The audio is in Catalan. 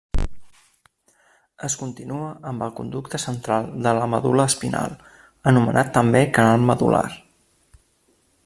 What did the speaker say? Es continua amb el conducte central de la medul·la espinal, anomenat també canal medul·lar.